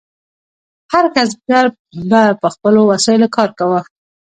هر کسبګر به په خپلو وسایلو کار کاوه.